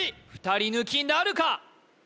２人抜きなるか？